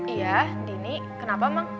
iya dini kenapa mang